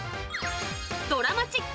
ドラマチック！